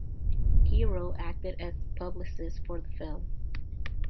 Gerow acted as publicist for the film.